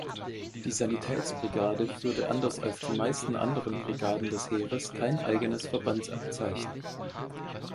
Die Sanitätsbrigade führte anders als die meisten anderen Brigaden des Heeres kein eigenes Verbandsabzeichen.